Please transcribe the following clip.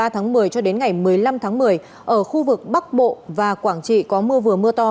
ba tháng một mươi cho đến ngày một mươi năm tháng một mươi ở khu vực bắc bộ và quảng trị có mưa vừa mưa to